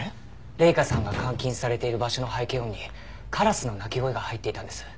麗華さんが監禁されている場所の背景音にカラスの鳴き声が入っていたんです。